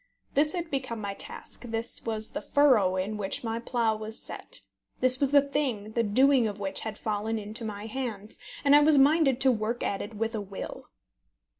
This had become my task, this was the furrow in which my plough was set, this was the thing the doing of which had fallen into my hands, and I was minded to work at it with a will.